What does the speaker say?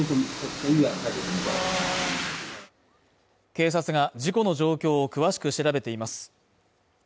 警察が事故の状況を詳しく調べています。